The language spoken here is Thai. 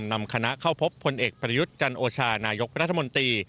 นำคณะเข้าพบพลเอกประยุทธ์จันโอชานายกรัฐมนตรี